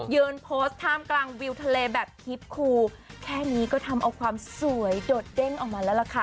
โพสต์ท่ามกลางวิวทะเลแบบคลิปคูแค่นี้ก็ทำเอาความสวยโดดเด้งออกมาแล้วล่ะค่ะ